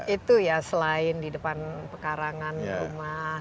itu ya selain di depan pekarangan rumah